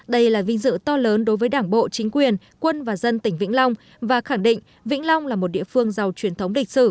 đây là vinh dự to lớn đối với đảng bộ chính quyền quân và dân tỉnh vĩnh long và khẳng định vĩnh long là một địa phương giàu truyền thống lịch sử